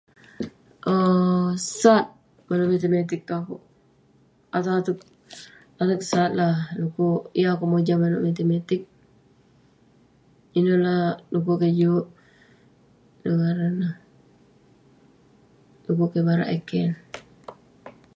um sat manouk matematik tong akouk. Ateg ateg- ateg sat lah dekuk yeng akouk mojam manouk matematik. Ineh lah dekuk kik juk- inouk ngaran neh, dekuk kik barak eh keh.